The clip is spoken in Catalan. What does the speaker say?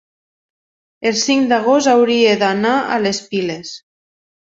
el cinc d'agost hauria d'anar a les Piles.